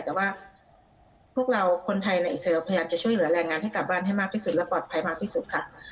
แต่ว่าพวกเราคนไทยในอิสราพยายามจะช่วยเหลือแรงงานให้กลับบ้านให้มากที่สุดและปลอดภัยมากที่สุดค่ะ